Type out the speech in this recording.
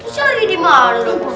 cari di mana